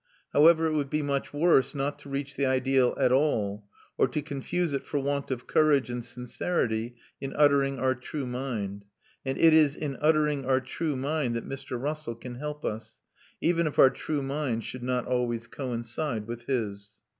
However, it would be much worse not to reach the ideal at all, or to confuse it for want of courage and sincerity in uttering our true mind; and it is in uttering our true mind that Mr. Russell can help us, even if our true mind should not always coincide with his.